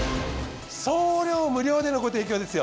送料無料でのご提供ですよ。